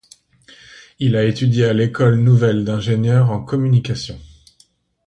Il a étudié à l'École nouvelle d'ingénieurs en communication.